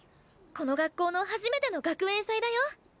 この学校の初めての学園祭だよ？